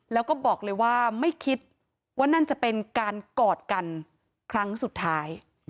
แล้วก็บอกเลยว่าไม่คิดว่านั่นจะเป็นการกอดกันครั้งสุดท้าย